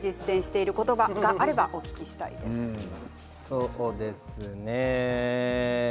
そうですね。